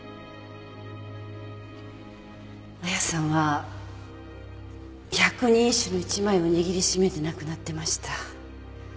亜矢さんは百人一首の１枚を握り締めて亡くなってました。